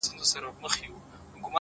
زما له ملا څخه په دې بد راځي!!